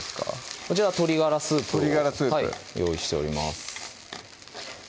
こちら鶏ガラスープを鶏ガラスープ用意しております